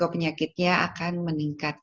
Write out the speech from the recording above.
penyakitnya akan meningkat